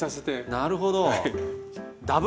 なるほど。